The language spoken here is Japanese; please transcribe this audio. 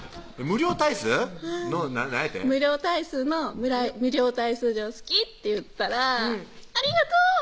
「無量大数の無量大数乗好き」って言ったら「ありがとう！」